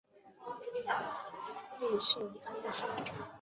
例贡出身。